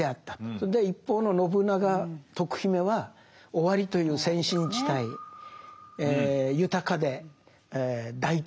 それで一方の信長徳姫は尾張という先進地帯豊かで大都会的ですよね。